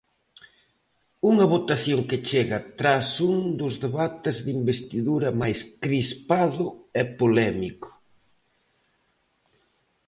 Unha votación que chega tras un dos debates de investidura máis crispado e polémico.